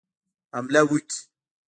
حمله وکړي.